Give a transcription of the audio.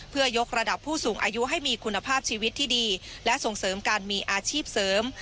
เพื่อยกระดับผู้สูงอายุให้มีคุณภาพชีวิตที่ดีและส่งเสริมการมีอาชีพเสริม